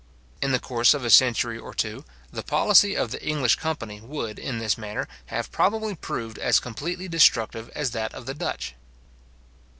In the course of a century or two, the policy of the English company would, in this manner, have probably proved as completely destructive as that of the Dutch.